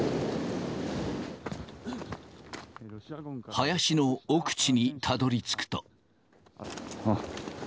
林の奥地にたどりつくと。